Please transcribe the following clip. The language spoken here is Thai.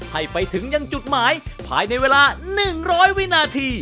ให้ไปถึงยังจุดหมายภายในเวลาหนึ่งร้อยวินาที